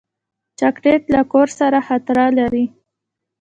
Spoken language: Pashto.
چاکلېټ له کور سره خاطره لري.